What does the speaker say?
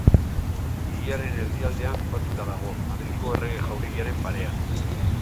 Hiriaren erdialdean kokatuta dago, Madrilgo Errege Jauregiaren parean.